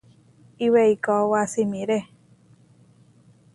Iweikaóba simiré.